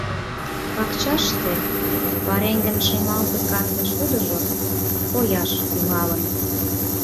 Пакчаште пареҥгын шемалге-канде шудыжо кояш тӱҥалын.